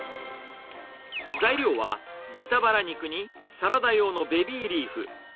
材料は、豚バラ肉に、サラダ用のベビーリーフ。